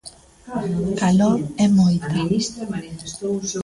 Calor e moita.